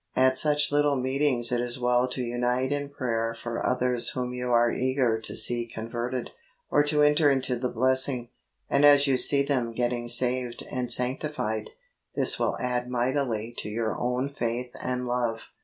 At such little Meetings it is well to unite in prayer for others whom you are eager to see converted, or to enter into the blessing, and as you see them getting saved and sanctified, this will add mightily to your own faith and love.